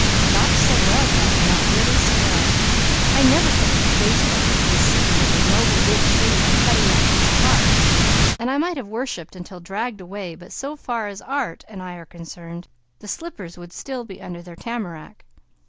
"Not so well, Daddy! Not nearly so well. I never could have defaced what you can see was a noble big tree by cutting that piece of bark, while I might have worshipped until dragged away, but so far as art and I are concerned, the slippers would still be under their tamarack."